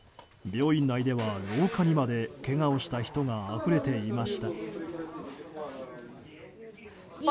病院内では廊下にまでけがをした人があふれていました。